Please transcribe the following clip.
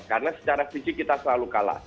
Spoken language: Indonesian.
karena secara fisik kita selalu kalah